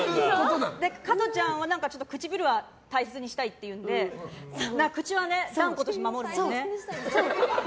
加トちゃんは唇は大切にしたいというので口はね、断固として守るもんね。